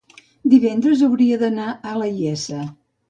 Divendres hauria d'anar a la Iessa.